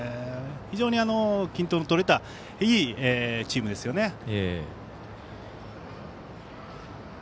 非常に均等の取れたいいチームですよね。